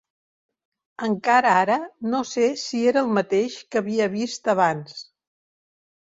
Encara ara no sé si era el mateix que havia vist abans